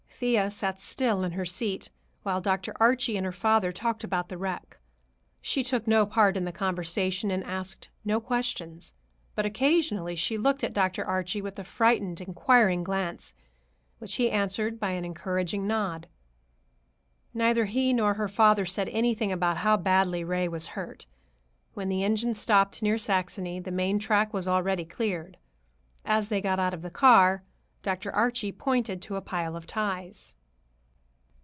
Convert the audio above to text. Thea sat still in her seat while Dr. Archie and her father talked about the wreck. She took no part in the conversation and asked no questions, but occasionally she looked at Dr. Archie with a frightened, inquiring glance, which he answered by an encouraging nod. Neither he nor her father said anything about how badly Ray was hurt. When the engine stopped near Saxony, the main track was already cleared. As they got out of the car, Dr. Archie pointed to a pile of ties.